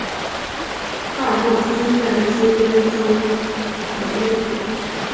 巴尔默出生在密歇根州底特律。